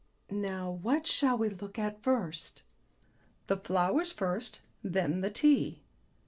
Now what shall we look at first?" "The flowers first; then the tea."